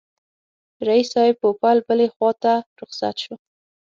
رییس صاحب پوپل بلي خواته رخصت شو.